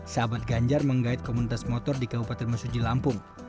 sahabat ganjar menggait komunitas motor di kabupaten mesuji lampung